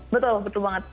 betul betul banget